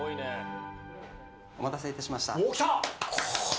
お待たせいたしました。